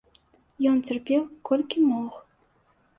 Ён цярпеў, колькі мог.